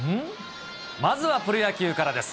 まずはプロ野球からです。